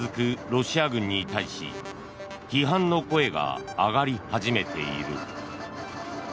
ロシア軍に対し批判の声が上がり始めている。